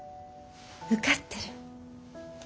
受かってる。